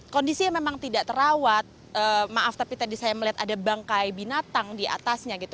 kondisi yang memang tidak terawat maaf tapi tadi saya melihat ada bangkai binatang di atasnya gitu